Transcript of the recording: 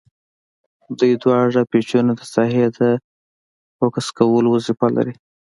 دوه واړه پیچونه د ساحې د فوکس کولو وظیفه لري.